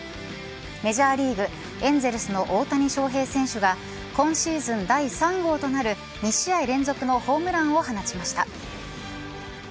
メジャーリーグエンゼルスの大谷翔平選手が今シーズン第３号となる２試合連続のホームランを放ちました。